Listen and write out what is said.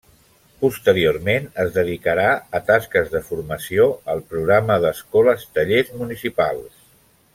Posteriorment es dedicarà a tasques de formació al programa d'Escoles Tallers municipals.